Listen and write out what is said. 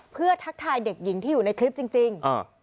เพื่อทักทายเด็กหญิงที่อยู่ในคลิปจริง